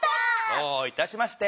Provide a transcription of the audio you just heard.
どういたしまして！